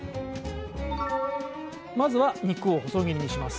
まずは肉を細切りにします。